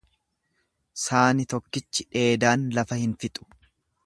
Saani tokkichi dheedaan lafa hin fixu.